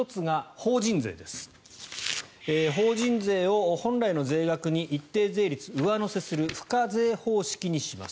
法人税を本来の税額に一定税率上乗せする付加税方式にします。